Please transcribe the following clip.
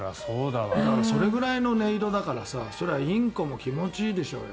それぐらいの音色だからそれはインコも気持ちいいでしょうよ。